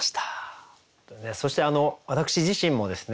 そして私自身もですね